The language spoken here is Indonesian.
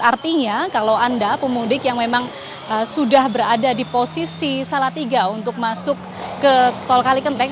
artinya kalau anda pemudik yang memang sudah berada di posisi salah tiga untuk masuk ke tol kalikenteng